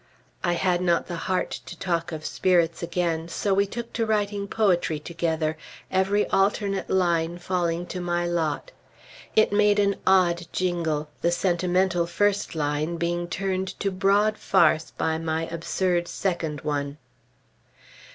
I had not the heart to talk of Spirits again; so we took to writing poetry together, every alternate line falling to my lot. It made an odd jingle, the sentimental first line being turned to broad farce by my absurd second one.